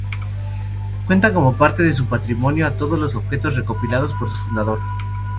Cuenta como parte de su patrimonio a todos los objetos recopilados por su fundador.